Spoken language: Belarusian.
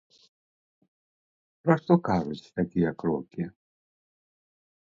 Пра што кажуць такія крокі?